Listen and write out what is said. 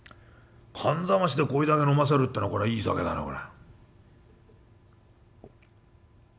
燗冷ましでこれだけ飲ませるってのはいい酒だなこれ」。